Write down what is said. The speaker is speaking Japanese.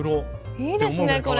いいですねこれ。